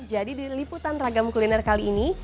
jadi di liputan ragam kuliner kali ini